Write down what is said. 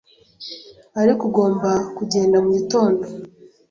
ariko ugomba kugenda mugitondo.